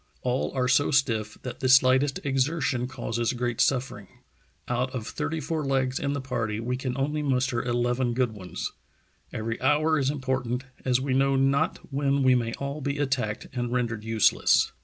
... All are so stiff that the slightest exertion causes great suffering. ... Out of thirty four legs in the party we can only muster eleven good ones. ... Every hour is important, as we know not when we may all be at tacked and rendered useless."